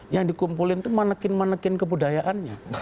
yang dikumpulin itu manekin manekin kebudayaannya